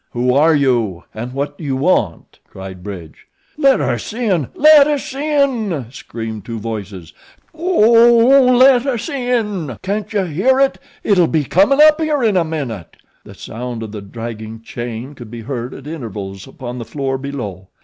"Who are you and what do you want?" cried Bridge. "Let us in! Let us in!" screamed two voices. "Fer God's sake let us in. Can't you hear IT? It'll be comin' up here in a minute." The sound of the dragging chain could be heard at intervals upon the floor below.